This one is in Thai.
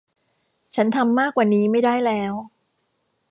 ฉันทำมากกว่านี้ไม่ได้แล้ว